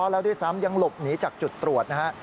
แล้วที่ซ้ำยังหลบหนีจากจุดตรวจนะครับ